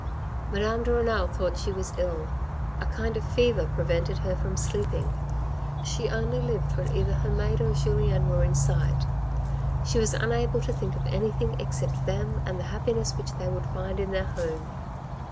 Madame de Renal thought she was ill. A kind of fever prevented her from sleeping. She only lived when either her maid or Julien were in sight. She was unable to think of anything except them and the happiness which they would find in their home.